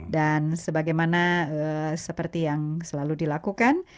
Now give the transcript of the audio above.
dan sebagaimana seperti yang selalu dilakukan